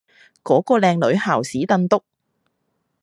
嗰個靚女姣斯凳督